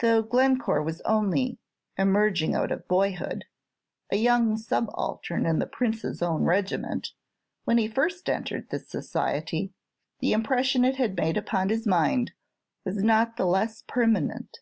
Though Glencore was only emerging out of boyhood, a young subaltern in the Prince's own regiment, when he first entered this society, the impression it had made upon his mind was not the less permanent.